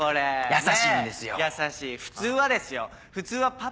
優しい。